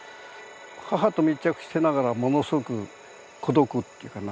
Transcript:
母と密着してながらものすごく孤独っていうかな。